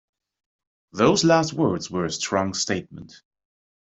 Those last words were a strong statement.